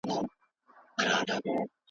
دا واقعه د هر چا لپاره یو ډېر لوی عبرت دی.